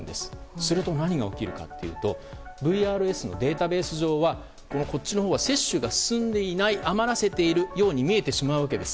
すると何が起きるかというとＶＲＳのデータベース上のほうは接種が進んでいない余らせているように見えてしまうわけです。